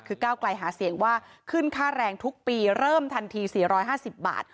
คือก้าวไกลหาเสียงว่าขึ้นค่าแรงทุกปีเริ่มทันที๔๕๐บาท